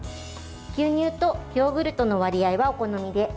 牛乳とヨーグルトの割合はお好みで。